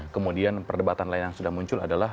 kemudian perdebatan lain yang sudah muncul adalah